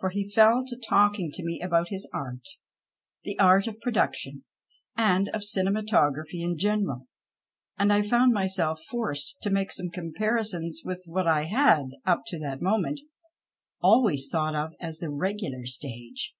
For he fell to talking to me about his art, the art of production, and of cinematography in general, and I found myself forced to make some comparisons with what I had, up to that moment, always thought of as the " regular '' stage.